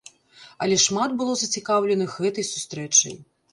Але шмат было зацікаўленых гэтай сустрэчай.